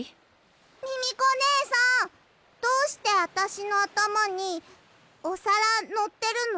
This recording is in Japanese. ミミコねえさんどうしてあたしのあたまにおさらのってるの？